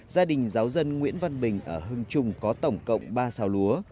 gia đình giáo dân nguyễn văn bình ở hưng trung có tổng cộng ba xào lúa